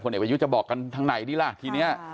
เอกประยุทธ์จะบอกกันทางไหนดีล่ะทีนี้